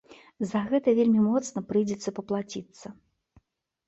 За гэта вельмі моцна прыйдзецца паплаціцца.